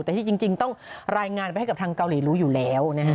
แต่ที่จริงต้องรายงานไปให้กับทางเกาหลีรู้อยู่แล้วนะฮะ